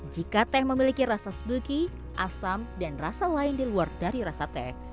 jika teh memiliki rasa sbucky asam dan rasa lain di luar dari rasa teh